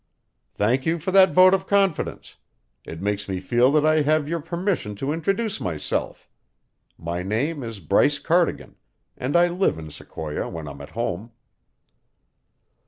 "Thank you for that vote of confidence. It makes me feel that I have your permission to introduce myself. My name is Bryce Cardigan, and I live in Sequoia when I'm at home."